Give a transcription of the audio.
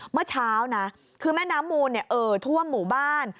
เมื่อเช้านะคือแม่น้ำมูลเอ่อท่วมหมู่บ้าน